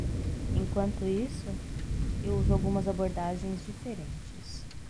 Enquanto isso,? eu uso algumas abordagens diferentes.